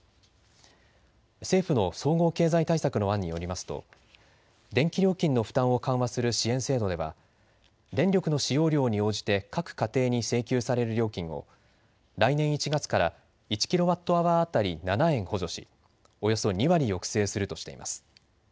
政府の総合経済対策の案によりますと電気料金の負担を緩和する支援制度では電力の使用量に応じて各家庭に請求される料金を来年１月から１キロワットアワー当たり７円補助しおよそ２割抑制するとしています。